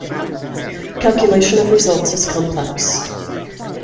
Calculation of results is complex.